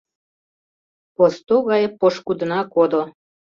Посто гай пошкудына кодо